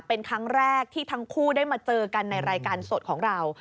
เป็นครั้งแรกที่ทั้งคู่ได้มาเจอกันในรายการสดของเรา